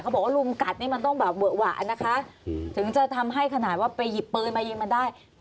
บอกว่าลุมกัดนี่มันต้องแบบเวอะหวะนะคะถึงจะทำให้ขนาดว่าไปหยิบปืนมายิงมันได้